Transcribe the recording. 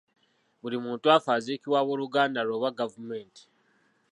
Buli muntu afa aziikibwa abooluganda lwe oba gavumenti.